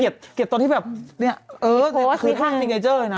เกลียดตรงที่แบบเนี่ยเฮอร์ดคือท่านทิกไนเจอร์นะ